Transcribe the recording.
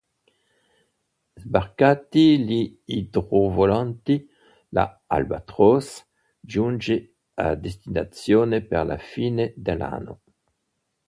Sbarcati gli idrovolanti, la "Albatross" giunse a destinazione per la fine dell'anno.